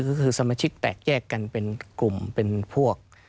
ก็คือสมาชิกแตกแยกกันเป็นกลุ่มเป็นพวก